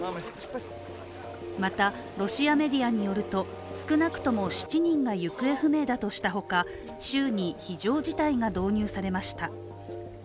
また、ロシアメディアによると、少なくとも７人が行方不明だとしたほか州に非常事態が導入されました。